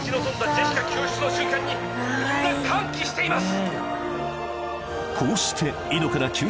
ジェシカ救出の瞬間にみんな歓喜しています！